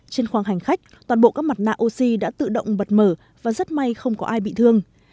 trên khoang hành khách toàn bộ các mặt nạ oxy đã tự động bật mở và rất may không có ai bị thương